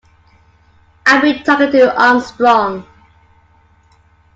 I've been talking to Armstrong.